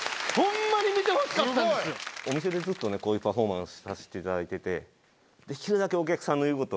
お店でずっとねこういうパフォーマンスさせていただいてて。